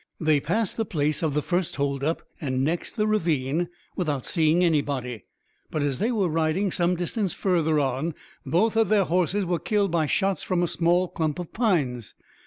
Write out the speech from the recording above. They passed the place of the first hold up, and next the ravine without seeing anybody. But as they were riding some distance further on both of their horses were killed by shots from a small clump of pines.